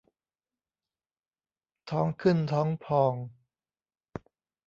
ท้องขึ้นท้องพอง